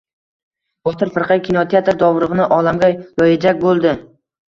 Botir firqa kinoteatr dovrug‘ini olamga yoyajak bo‘ldi.